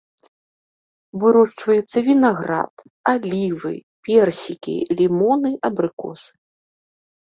Вырошчваецца вінаград, алівы, персікі, лімоны, абрыкосы.